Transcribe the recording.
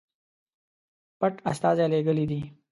پټ استازي لېږلي دي.